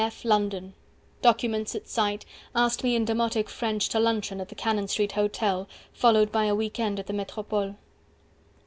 f. London: documents at sight, Asked me in demotic French To luncheon at the Cannon Street Hotel Followed by a week end at the Metropole.